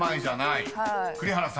栗原さん］